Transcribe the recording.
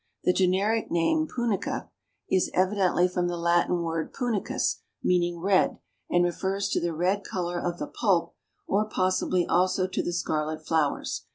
The generic name Punica is evidently from the Latin word punicus, meaning red, and refers to the red color of the pulp or possibly also to the scarlet flowers.